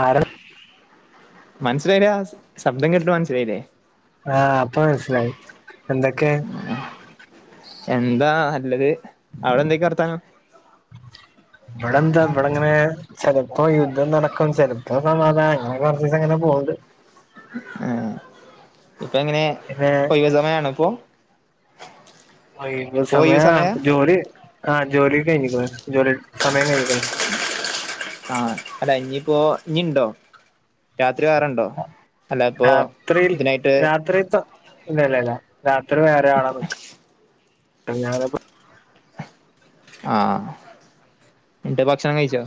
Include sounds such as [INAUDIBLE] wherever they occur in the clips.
ആര മനസ്സിലായില്ല ശബ്ദം കേട്ടട്ട് മനസിലായില്ലേ ആഹ അപ്പൊ മനസ്സിലായി എന്തൊക്കെ എന്താ നല്ലത് അവിടെ എന്തൊക്ക വർത്താനം ഇവിടന്ത ഇവിടങ്ങനെ ചിലപ്പോ യുദ്ധം നടക്കും ചിലപ്പോ സമാധാനം അങ്ങനെ കുറച്ചുസം അങ്ങനെ പോന്നണ്ട് ആ ഇപ്പ എങ്ങനെ ഏ ഒഴിവ് സമയാണ ഇപ്പോ ഒഴിവ് സമയാ ജോലി ആ ജോലി യൊക്കെ കഴിഞ്ഞിക്കണ് സമയം കഴിഞ്ഞ ക്കണ് ആഹ അല്ല ഇനിയിപ്പോ ഇനി ഇണ്ടോ? രാത്രി വേറുണ്ടോ അല്ല ഇപ്പോ ഇതിനായിട്ട്. [UNINTELLIGIBLE] ഇല്ലല്ല ഇല്ല രാത്രി വേറെ ആള് [UNINTELLIGIBLE] ആഹ എന്റെ ഭക്ഷണം കഴിച്ചോ?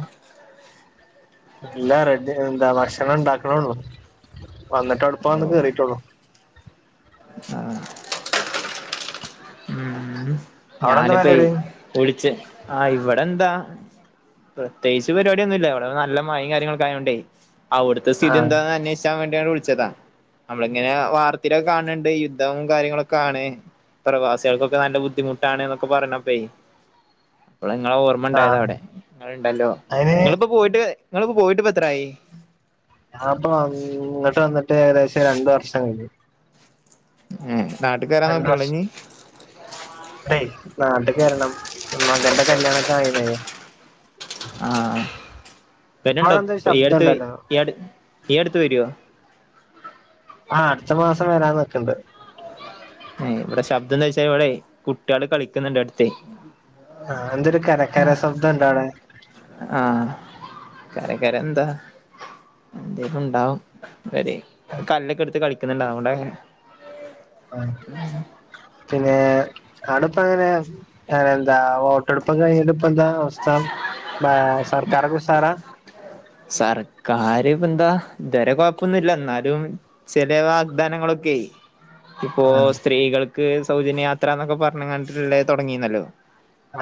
ഇല്ല റെഡി എന്താ ഭക്ഷണം ഉണ്ടാക്ക്ണോള്ളു. വന്നിട്ട് അ ഇപ്പന്ന് ഓ കേയറിയിട്ടോുള്ളൂ. ആ അവിടെന്താ ഞാനിപ്പ പരിപാടി വിളിച്ച ആ ഇവിടെ എന്താ. പ്രത്യേകിച്ച് പരിപാടിന്നും ഇല്ല ഇവിടെ നല്ല മഴയും കാര്യങ്ങളൊക്കൊയോണ്ടേ? അവിടുത്തെ സ്ഥിതി ആഹ് എന്താന്ന് അന്വേഷാൻ വേണ്ടി വിളിച്ചതാ. നമ്മള് ഇങ്ങനെ വാർത്തയിലൊക്കെ കാണ്ണ്ട് യുദ്ധവും കാര്യങ്ങളൊക്കെ ആണ്. പ്രവാസികൾക്കൊക്കെ നല്ല ബുദ്ധിമുട്ടാണ്. എന്ന് പറഞ്ഞപ്പ നിങ്ങളെ ഓർമ്മ ണ്ടായത ആഹ് അവിടെ നിങ്ങ ഉണ്ടല്ലോ അയിന് നിങ്ങളിപ്പോ പോയിട്ട് നിങ്ങളിപ്പോ പോയിട്ട് ഇപ്പോ എത്രായി? ഞ അപ്പൊ ഇങ്ങട്ട് വന്നിട്ട് ഏകദേശം രണ്ട് വർഷം കഴിഞ്ഞ്. ഉം നാട്ടുക് വരാൻ നോക്കുണ്ടോ നീ. പേ നാട്ടിക്ക് വരണം മകന്റെ കല്ല്യാണക്കെ ആയിന്നേ? ആഹ് അവിടെ വരുന്നുണ്ടോ എന്തൊരു പൊ ഈ ശബ്ദം അടുത്ത് ഉണ്ടല്ലോ ഈ ഈ അടുത്ത് വരോ? ആഹ് അടുത്ത മാസം വരാ നിക്ക്ണ്ട്. ഇവിടെ ശബ്ദം എന്താ വച്ചാ ഇവിടെ കുട്ടികള് കളിക്കുന്നുണ്ട് അടുത്ത്. ആഹ് എന്തൊരു കരകര ശബ്ദം. ഉണ്ടോ അവിടെ. ആഹ് കര കര എന്താ എന്തേലുംണ്ടാവും. ഇവരയ് കല്ല്ക്കെ എടുത്ത് കളിക്കുന്നുണ്ട അതുകൊണ്ട ആഹ് പിന്നെ അടപങ്ങനെ എന്താ വോട്ടെ പ്പൊക്കെ കഴിഞ്ഞിട്ട്പ്പന്താ അവസ്ഥ സർക്കാരൊക്കെ ഉഷാറാ സർക്കാര് പന്താ ഇത് വരെ കൊഴപ്പൊന്നുല്ല ന്നാലും ചെലോ വാഗ് ദാനം ങ്ങളൊക്കെയ്. ഇപ്പോ ആ, സ്ത്രീകൾക്ക് സൗജന്യയാത്ര എന്നൊക്കെ പർഞ്ഞ്ങ്ങാണ്ട്ള്ളത് തൊട്ങ്ങീന്നല്ലോ?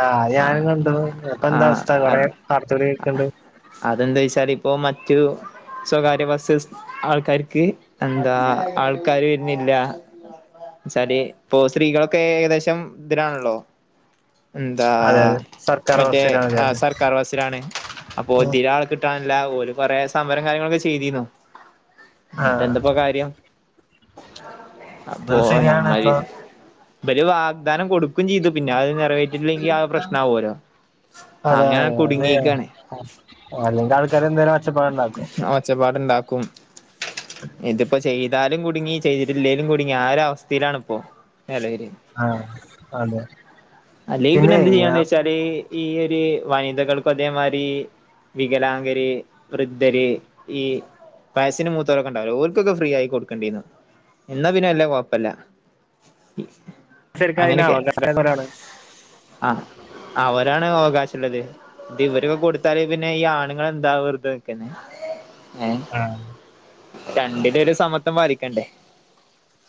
ആഹ് അത്‌ ഞാനും കണ്ടു ഇപ്പൊ എന്താ അവസ്ഥ കൊറെേ വർത്തകള്ക്കെണ്ട്. അതെന്തേയ്ച്ചാല് ഇപ്പൊ മറ്റു. സ്വകാര്യ ബസ്സ് ആൾക്കാർക്ക് എന്താ ആൾക്കാര് വര്ന്നില്ല. ശാരി ഇപ്പൊ സ്ത്രീകളൊക്കെ ഏകദേശം ഇതിലാണല്ലോ? ന്താ അതെ അതെ സർക്കാർ മറ്റേ ആ ബസ്സിനാണ് സർക്കാർ ബസിലാണ്. അപ്പൊ ഇതില ആൾ കി [UNINTELLIGIBLE] ഓല് കൊറേ സംമരം കാര്യങ്ങളൊക്കെ ചെയ്തീന്നു ആ ന്നിട്ടെന്താപ്പൊകാര്യം. അപ്പൊ അത് ശരിയാണ് നമ്മ ഇപ്പൊ [UNINTELLIGIBLE] ഇബര് വാഗ്ദാനം കൊടുക്കും ചെയ്തു പിന്നെ അത് നിറവേറ്റിട്ടില്ലെങ്കി ആകെ പ്രശ്നം ആവുമല്ലോ? അതെ അതെ അതെ അല്ലെങ്കിൽ ആൾക്കാര് എന്തേലും ഒച്ചപ്പാട് ഉണ്ടാക്കും. ഓച്ചപ്പാടുണ്ടാക്കും ഇതിപ്പ ചെയ്താലും കുടുങ്ങി ചെയ്തിടല്ലെങ്കലും കുടുങ്ങി ആ ഒര അവസ്ഥയിലാണ് ഇപ്പോ നൊലവില്. ആഹ് അതെ. അല്ലേ പിന്നെ എന്ത് ചെയ്യാന്ന് വെച്ചാല് ഈ ഒര് വനിതകൾക്കും അതേമാതിരി വികലാംഗര്, വൃദ്ധര്, ഈ വയസ്സിന് മൂത്തോരൊക്കെണ്ടാവല്ലോ ഒല്ക് ഫ്രീ ആയി കൊടുക്കണ്ടീന്നു എന്നാ പിന്നെ വല്ലൃ കൊഴ്പ്പല്ല. എ [INAUDIBLE] ശരിക്ക് അയിന് [UNINTELLIGIBLE] ആ അവരാണ് അവകാശള്ളത്. ഇതിവര്ക്ക് കൊടുത്താല് പിന്നെ ഈ ആണുങ്ങൾ എന്താ വെറ്തെ നിക്കന്നേ ആഹ് രണ്ടിലും ഒരു സമത്വം പാലിക്കണ്ടേ?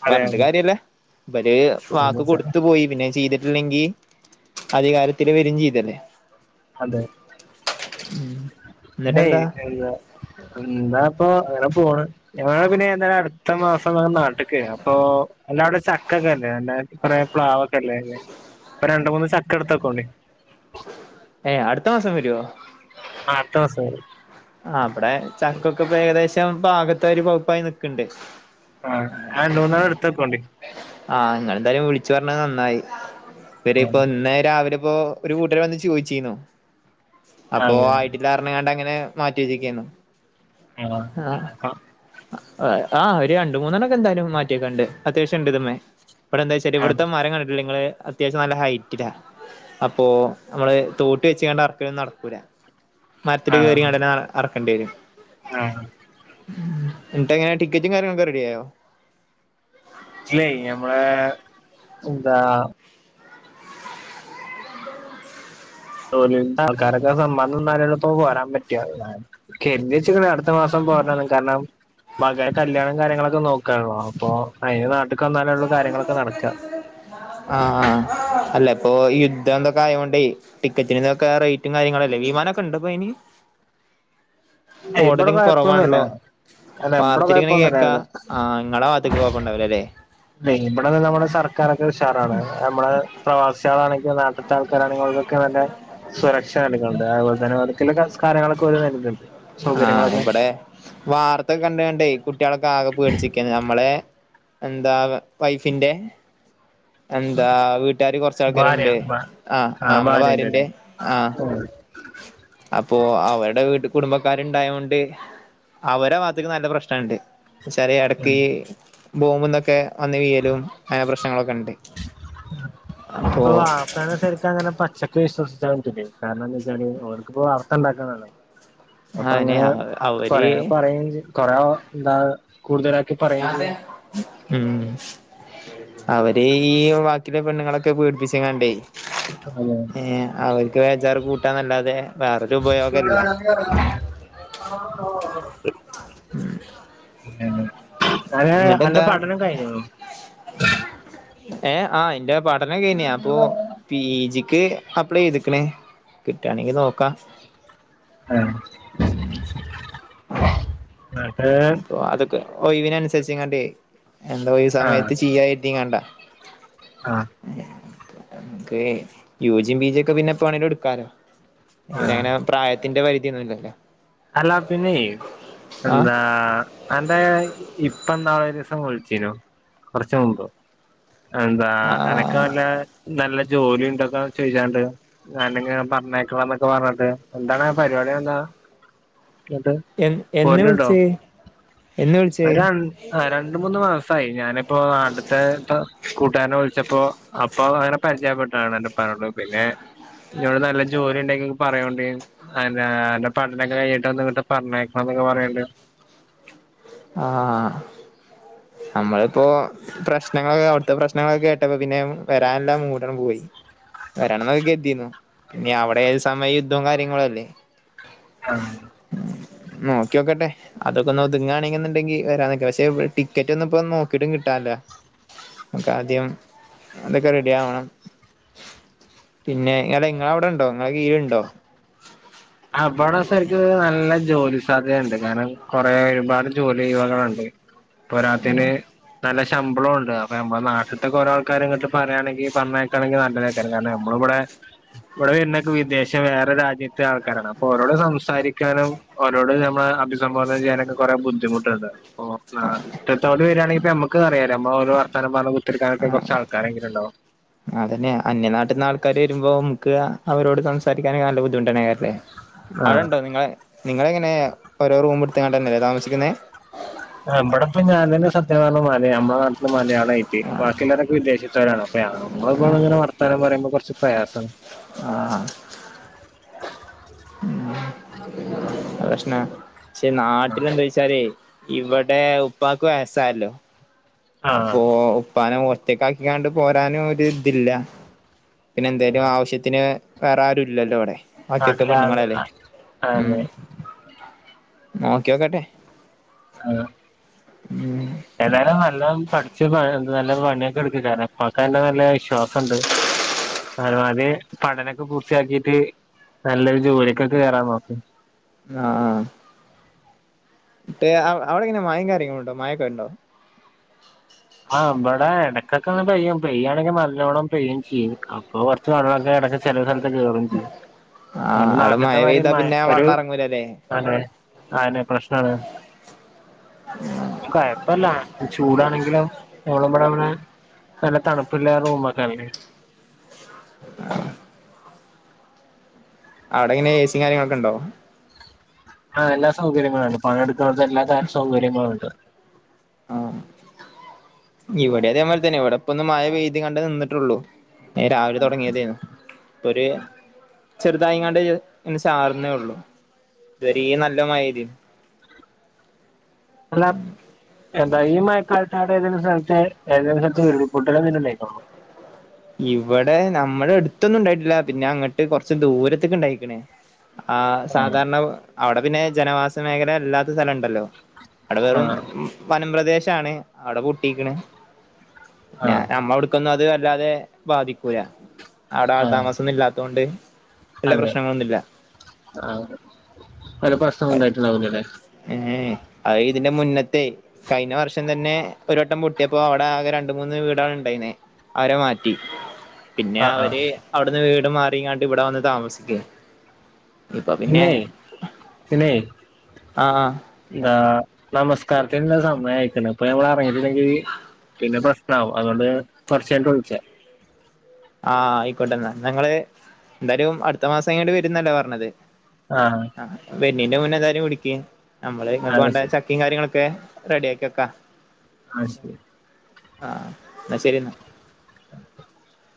അതെ പർഞ്ഞിട്ട് കാര്യല്ല ഇര് വാക്ക് അതെ കൊടുത്തു പോയി. പിന്നെ ചെയ്തിട്ട് ല്ലെങ്കി അധികാരത്തില് വരും ചെയ്തില്ലേ? അതെ ഉം പിന്നെയ് എന്താ എന്താപ്പോങ്ങനെ പോണ് ഞങ്ങള് പിന്നെ എന്തായാല അടുത്ത മാസം ഞ നാട്ക്ക് അപ്പൊ അല്ല അവിടെ ചക്കൊക്കെല്ലെ കൊറേ പ്ലാവൊക്കെല്ലെല്ലേ ഇപ്പൊ രണ്ട് മൂന്ന് ചക്കട്ത്തെക്കോണ്ടി ഏഹ് അടുത്ത മാസം വരുവോ ആഹ് അട്ത്ത മാസം വരും ആഹ് ബടെ ചക്കൊക്കെ ഇപ്പോ ഏകദേശം ഭാഗതോര് പൗപ്പായി നിക്ക്ണ്ട് ആഹ് രണ്ടുമൂന്നാല്ണ്ണ എടുത്തക്കോണ്ടി ആഹ് ങ്ങളെന്തായാലും വിളിച്ചു പറഞ്ഞത് നന്നായി ഇവര് ഇപ്പോ ന്ന് രാവിലെ ഇപ്പോ ഒരു കൂട്ടർ വന്ന് ചോദിച്ചിന്നു അപ്പൊ അതെ ആയിട്ടില്ലാർഞ്ഞ്ക്കാണ്ടങ്ങനെ മാറ്റി വെച്ച്ക്കേയ്ന്ന് ആഹ് ആഹ് ആഹ് ഒര് രണ്ട് മൂന്നണാെക്കെ എന്തായാലും മാറ്റി വെക്കാണ്ട് അത്യാവശ്യം ഇണ്ട് ഇത് മ്മേ ഇപടെ എന്താച്ചാല് ആഹ് ഇവിട്ത്തെ മരം കണ്ട്ട്ടില്ലേ ഇങ്ങള് അത്യാവശ്യം നല്ല ഹൈറ്റിലാ അപ്പൊ നമ്മളെ തോട്ടി വെച്ങ്ങാണ്ട് അറക്കല് ഒന്നും നടക്കൂല മരത്തില് ആഹ് കേറിങ്ങാണ്ടെന്നെ അറ അറക്കെണ്ടി വെരും ആഹ് ഇന്ന്ട്ട് എങ്ങനെ ടിക്കറ്റും കാര്യങ്ങളൊക്കെ റെഡിയായോ ഇല്ലേയ് ഞമ്മളെ എന്താ തോന്നിയോന്റെ ആൾക്കാരൊക്കെ സമ്മദം തന്നാലെപ്പോ പോരാൻ പറ്റാ ഞാൻ കെര്ഞ്ഞ് വെച്ചത് തേ അവ്ട് ത്തമാസം പോര്ണം കാരണം മകന് കല്യാണം കാര്യങ്ങളൊക്കെ നോക്കാണ്ളോ അപ്പൊ അയ്ന് നാട്ട്ക്ക് വന്നാലൊള്ളൂ കാര്യങ്ങളൊക്കെ നടക്കാ പ്പോ യുദ്ധംതൊക്കെആയോണ്ട് ടിക്കറ്റിനൊക്കെ റേറ്റും കാര്യങ്ങളുംല്ലേ വിമാനൊക്കെണ്ടപ്പയ്ന് ഏയ് ഇബടെ ഓടലും കൊഴപ്പൊന്നുല്ല കൊറവാണ്ളോ അല്ല ഇബടെ വാർത്തേല് ഇങ്ങനെ കൊഴപ്പൊന്നുല്ല കേക്കാ ആഹ് ഇങ്ങളെ ഇത്തക്ക് കൊഴപ്പണ്ടാവൂലലേ വെല്ലിമ്മടെഒക്കെ നമ്മുടെ സർക്കാരൊക്കെ ഉഷാറാണ് നമ്മുടെ പ്രവാസിളാണെങ്കിൽ നാട്ടിൽ എത്ര ആൾക്കാരാണെങ്കിലും ഓൽകൊക്കെ വേണ്ട സുരക്ഷ [UNINTELLIGIBLE] കാര്യങ്ങളൊക്കെ ഓല് ഹര്ത്ണ്ട് ആഹ് ഇപടെ വാർത്താെക്കെ കണ്ട്ങ്ങാണ്ടൈ കുട്ടിയോളൊക്കെ ആകെ പേടിച്ച്ക്കാണ് നമ്മളെ എന്താ വ വൈഫിന്റെ എന്താ വീട്ടുകാര് കൊറച്ച ഭാര്യ ആൾക്കാര്ണ്ടേ ഭാ ആഹ് ആഹ് മ്മളെ ഭാര്യന്റെ ആഹ് ഉം അപ്പോ അവടെ വീട്ട്കുടുംബക്കാര് ഇണ്ടായോണ്ട് അവരെ ഭാഗത്ത്ക്ക് നല്ല പ്രശ്നം ഇണ്ട് ചാല് ഉം എടക്ക് ബോംബും തൊക്കെ വന്ന് വീയലും അങ്ങനെ പ്രശ്നങ്ങളൊക്കെണ്ട് അത് വാപ്പനെ ശെ ഇക്ക അങ്ങനെ പച്ചക്ക് വിശ്വസിച്ചാൻ പറ്റൂലൈകാരണം എന്തെച്ചാല് അവർക്ക്പ്പോ വാർത്തണ്ടാക്കണല്ലോ അപ്പൊ ആനെ അങ്ങനെ അവര് കൊറേ പറയും ജീതു കൊറെ ഓൻഎന്താണ് കൂട്തലാക്കി പ ഞാന് ഉം അവര് ഈ വാക്കി കിള്ള പെണ്ണ്ങ്ങളൊക്കെ പേടിപ്പിച്ങ്ങാണ്ടൈ തിന്ന്അല്ലേ ഏഹ് അവർക്ക് വേജാറ് കൂട്ടാനെല്ലാതെ ഇവടെ വേണം നീ പറഞ്ഞ്ക്ക്ണോ [UNINTELLIGIBLE] പിന്നല്ല ഏഹ് അന്റെ എന്നിട്ടെന്താ പഠനം കയിഞ്ഞ്ക്ക്ണോ ഏഹ് ആഹ് എന്റെ പഠനം കെയ്ഞ്ഞ് അപ്പൊ പി ജി ക്ക് അപ്ലൈത്ക്ക്ണ് കിട്ടാണെങ്കി നോക്കാ ആഹ് [UNINTELLIGIBLE] അപ്പൊ അതൊക്കെ ഔവിനൻസരിച്ച്ങ്ങാണ്ടേ എന്താ ഈ ആഹ് സമയത്ത് ചെയ്യാ കെര്തിങ്ങാണ്ടാ ആഹ് ക്ക് യൂജിം പിജിയൊക്കെ പിന്നെപ്പാെ വേണങ്കിലും ഇട്ക്കാലോ ആഹ് ഇങ്ങനെ പ്രായത്തിന്റെ പരിധിയൊന്നും ഇല്ലെല്ലേ അല്ലാ പിന്നെ എന്താ അന്റെ ഇപ് ഇപ്പ ഇന്നാൾ ഒരീസം വിളിച്ചീനു കാെറച്ച് മുമ്പ് എന്താ അനക്ക് ആ നല്ലേ നല്ല ജോലിം ഇതൊക്കെ ചെയ്യാണ്ട് ഞാന്ങ്ങനെ പറഞ്ഞ യക്കണോന്നൊക്കെ പർണ് ട്ട് എന്താണ് പരിവാടി എന്താ ഇന്ന്ട്ട് എ എന്ന് പോര്ന്ണ്ടോ വിളിച്ചേ എന്ന് വിളിച്ചേ ഒരണ്ട് ആഹ് രണ്ട്മൂന്ന് മാസായി ഞാന്പ്പോ അട്ത്തെ ഇപ്പ കൂട്ട്കാരനെ വിൾച്ചപ്പോ അപ്പാെ അങ്ങനെ പരിചയപ്പെട്ടതാണ് അന്റെ ഇപ്പാനോട് പിന്നെ ഇന്നോട് നല്ല ജോലി ഇണ്ടെങ്കിൽ പറയാേണ്ടി അതന്നെ അന്റെ ഇപ്പാ പട്ത്തം കൈഞിട്ട് ഒന്ന് ഇങ്ങട്ട് പർണയക്കണംന്നൊക്കെ പറയ്ണ്ട് ആഹ് അമ്മളിപ്പോൾ പ്രശ്നങ്ങളൊക്കെ അവിട്ത്തെ പ്രശ്നങ്ങളൊക്കെ കേട്ടപ്പാെ പിന്നെ വരാന്ള്ള മൂടങ്ങ്പോയി വെരണംന്ന് ഒക്കെ കെര്തീന് പിന്നെ അവിടെ ഏത് സമയം യുദ്ധംകാര്യങ്ങളും അല്ലേ ആഹ് നോക്കി നോക്കട്ടെ അതൊക്കെ ഒന്ന് ഒതുങ്ങാൻ ണ്ടെങ്കിൽ വരാന്നൊക്കെ പക്ഷെ ടിക്കറ്റ് ഒന്നും പ്പോ ഒന്നും നോക്കീട്ടും കിട്ടാല്ല ആദ്യം അതിനൊക്കെ ആദ്യം അതൊക്കെ റെഡി ആവണം. പിന്നെ ഇങ്ങ ഇങ്ങളെ അവിടെണ്ടോ നിങ്ങളെ കീഴിൽ ഉണ്ടോ? അബടെ സെരിക്ക് നല്ല ജോലി സ് സാധ്യത കൾ ഉണ്ട് കാരണം കുറേ ഒരുപാട് ജോലി ഒഴിവുകൾ ഉണ്ട് പോരാത്തതിന് നല്ല ശ മ്പളം ഉണ്ട് അപ്പൊ നമ്മ നാട്ടത്തൊക്കെ ഓരോ ആൾക്കാര് ഇങ്ങോട്ട് പറയാണെങ്കിൽ പറഞ്ഞേക്കാണെങ്കിൽ നല്ലതായി കാരം നമ്മളിവിടെ ഇവിടെ വരണേ ഒക്കെ വിദേശം വേറെ രാജ്യത്തെ ആൾ ക്കാര അപ്പൊ ഓരോട് സംസാരിക്കാനും ഓരോട് നമ്മളെ അഭിസംബോധന ചെയ്യാനൊക്കെ കൊറെേ ബുദ്ധിമുട്ടുണ്ട്. ഓ ആ ഇഷ്ടത്തോടെ വരികയാണെങ്കിൽ നമ്മുക്ക അറിയാം നമ്മ ഓലോ വർത്തതാനം പറഞ്ഞു കു ത്തിയിരിക്കാൻ ഒക്കെ ആ കുറച്ച് ആൾക്കാരെങ്കലും ണ്ടാവും. അതന്നെ അന്യ നാട്ടിൽ നിന്ന് ആൾക്കാര് വരുമ്പോ നമുക്ക് അവരോട് സംസാരിക്കാനൊക്കെ നല്ല ബുദ്ധിമുട്ടേക്കാരം ലെ. ആഹ് അടെണ്ടോ നിങ്ങളെ നിങ്ങള എങ്ങനെ ഓരോ റൂം എടുത് കണ്ടല്ലേ താമസിക്കുന്നത് ആഹ് ബടെ ഇപ്പ ഞാൻ തന്നെ സത്യ പറഞ്ഞാൽ മലയാളി നമ്മളെ നാട്ടില് മലയാള തായിട്ട് ബാക്കി ഉള്ളോർ ഒക്കെ വിദേശത്തവരാണ് അപ്പൊ നമ്മൾ ഇങ്ങനെ വർത്താനം പറയ്പോ കുറച്ച് പ്രയാസമാണ്. ആഹ് ഉം അത്‌ പ്രശ്ന പക്ഷേ നാട്ടില എന്തായ്ച്ച ച്ചാൽ ഇവിടെ ഉപ്പാക്ക് വയസായല്ലോ. ആഹ് അപ്പൊ ഇപ്പാനെ ഒറ്റക്ക് ആക്കി പോരാനും ഒരു ഇതില്ല. പിന്നെ എന്തേലും ആവശ്യത്തിന് വേറെ ആരുല്ലല്ലോ വിടെ ബാക്കിയൊക്കെ നാട്ടിലെ പെണ്ണുങ്ങളല്ലേ ഉം അതെ നോക്കിയോക്കട്ടെ. ആഹ് ഉം ഏതായാലും നല്ലോ പഠിച്ച് നല്ല പണിയൊക്കെ എടുക്ക് കാരണം പ്പാക്ക് അന്നെ നല്ലോണം വിശ്വാസം ഉണ്ട്. [UNINTELLIGIBLE] പഠനമൊക്കെ പൂർത്തിയാക്കിട്ട് നല്ലൊരു ജോലിക്കൊക്കെ കേറാൻ നോക്ക്. ആഹ് ആഹ് അവിടെ എങ്ങനെ മയ കാര്യങ്ങളും ഉണ്ടോ മഴൊക്കെ ഉണ്ടോ? ആഹ് ഇബടെ എടേക്കൊക്കൊന്ന് പെയ്യും പെയ്യാണെങ്കിൽ നല്ലോണം പെയ്യും ചെയ്യും. അപ്പൊ കുറച്ച് വെള്ളമൊക്കെ ഇടക്ക് ചെലെ സ്ഥലത് കേറുകയും ചെയ്യും ആഹ് അവിടെ മഴ നാട്ടിത്തെ മാതിരി പെയ്താ പിന്നെ ഒരു വെള്ളം ഇറങ്ങൂലല്ലേ അതെന്നെ അത് പ്രശ്നം ആണ്. കുഴപ്പമില്ല ചൂട് ആണെങ്കിലും വ്ടെ നല്ല തണുപ്പുള്ള റൂമ് ഒക്കെല്ലേ ആഹ് ആടെ എങ്ങനെ എസി കാര്യങ്ങളൊക്കെ ഉണ്ടോ? ആ എല്ലാ സൗകര്യങ്ങളും ഉണ്ട് പണി എടുക്കനോട്ത് എല്ലാ സൗകര്യങ്ങളും ഉണ്ട്. ആഹ് ഇവിടെ അതേപോലെ തന്നെ ഇവിടെപ്പ ഒന്ന് മഴ പെയ്തികാണ്ട് നിന്നിട്ടുള്ളു. രാവിലെ തുടങ്ങിയയായിരുന്നു. പ്പോ ഒരു ചെറുതായങ്ങാണ്ട് ചാറുന്നെ ഉള്ളു ഇത് വരീം നല്ല മയെയ്തീന്നു. അല്ലാ ന്തായാലും ഈ മയക്കാലത്താരേലൊന്ന് സ്രെമിച്ച എല്ലാ സ്ഥലത്തും ഉരുൾപൊട്ടലെന്തേലുംഇണ്ടായ്ക്ക്ണോ? ഇവടെ നമ്മളെഡ്ത്തൊന്നും ഇണ്ടായിട്ട്ല്ല. പിന്നെ അങ്ങട്ട് കൊറച്ച് ദൂരത്ത്ക്ക്ണ്ടായ്ക്ക്ണ്. ആഹ് സാധാരണ അവടെപിന്നെ ജനവാസമേഖലല്ലാത്ത സ്ഥലണ്ടല്ലോ. അവടെവെറും ആഹ് വനംപ്രെദേശാണ്, അവടെ പൊട്ടീക്ക്ണ്. ഞാ ആഹ് നമ്മളവടക്കൊന്നും അത് വല്ലാതെ ബാധിക്കൂല. ആഹ് അവടാൾത്താമസൊന്നും ഇല്ലാത്തോണ്ട് വല്യ അതെ. പ്രശ്നങ്ങളൊന്നുല്ല ആഹ് വല്ല പ്രേശ്നൊന്നുണ്ടായിട്ട്ണ്ടാവൂലലേ? ഏയെ അഹ് ഇതിന്റെ മുന്നത്തെയ് കഴിഞ്ഞ വർഷം തന്നെ ഒര് വട്ടം പൊട്ട്യേപ്പൊ അവടാകെ രണ്ട്മൂന്ന് വീടാണ് ഇണ്ടെയ്നെഹ്. അവരെ മാ- പി പിന്നെ ആഹ് ആഹ് അവര് അവടന്ന് വീട്മാറീങ്ങാണ്ട് ഇവടെവന്ന് താമസിക്കും. ഇപ്പൊ പിന്നെ ആഹ് ആഹ് നമസ്കാരത്തിന്ല്ലെ സമയയ്ക്ക്ണ് ഇപ്പൊ ഞമ്മളെറങ്ങീട്ട്ല്ലെങ്കില് പിന്നെ പ്രെസ്നാവും. അതോണ്ട് കൊറച്ചെയ്ഞ്ഞ്ട്ട് വ്ൾചെ ആഹ് അയ്ക്കോട്ടെന്നാ. ഇന്നങ്ങള് എന്തായാലും അട്ത്ത മാസം കയ്ഞ്ഞ്ട്ട് വെരുംന്നല്ലെ പറഞ്ഞത്? ആഹ് ആഹ് വെര്ണീന്റെമുന്നെന്തായാലും വ്ള്ക്കീം. അമ്മള് ഇങ്ങക്ക് അത് വാണ്ടെ ശരി ചക്കേംകാര്യങ്ങളൊക്കെ റെഡ്യാക്കി വെക്ക. ആഹ് ശരി ആ ഇന്ന ശെരിന്ന. [INAUDIBLE]